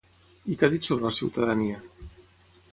I què ha dit sobre la ciutadania?